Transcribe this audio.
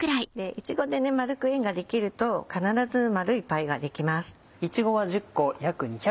いちごで丸く円ができると必ず丸いパイができます。